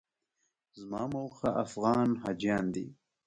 زما موخه افغان حاجیان دي.